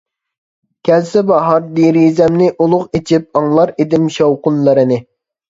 كەلسە باھار دېرىزەمنى ئۇلۇغ ئىچىپ ئاڭلار ئىدىم شاۋقۇنلىرىنى.